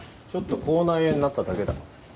ちょっと口内炎になっただけだ。